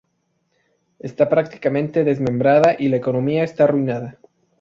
Está prácticamente desmembrada y la economía está arruinada.